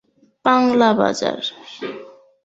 বাংলা বাজার